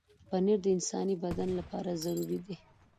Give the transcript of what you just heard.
پنېر د انساني بدن لپاره ضروري دی.